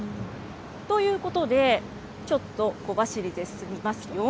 ということで、ちょっと小走りで進みますよ。